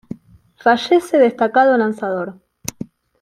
Fallece destacado lanzador